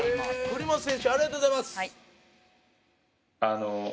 栗本選手ありがとうございます。